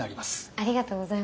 ありがとうございます。